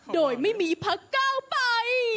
โดยไม่มีภักษ์เก่าไป